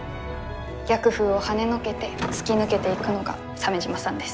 逆風をはねのけて突き抜けていくのが鮫島さんです。